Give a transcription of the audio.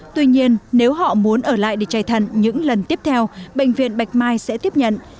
tuy nhiên nếu họ muốn ở lại để chạy thận những lần tiếp theo bệnh viện bạch mai sẽ tiếp nhận